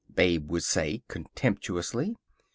Babe would say contemptuously.